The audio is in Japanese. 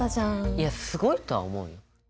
いやすごいとは思うよ。